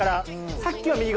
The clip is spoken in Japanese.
さっきは右側。